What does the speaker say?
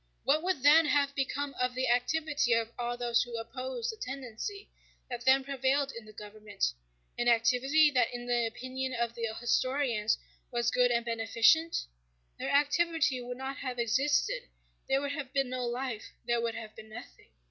What would then have become of the activity of all those who opposed the tendency that then prevailed in the government—an activity that in the opinion of the historians was good and beneficent? Their activity would not have existed: there would have been no life, there would have been nothing.